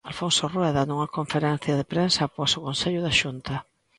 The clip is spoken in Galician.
Alfonso Rueda, nunha conferencia de prensa após o Consello da Xunta.